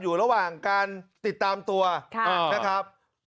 อยู่ระหว่างการติดตามตัวนะครับ